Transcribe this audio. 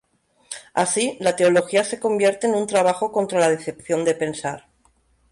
Así, la teología se convierte en un trabajo contra "la decepción de pensar".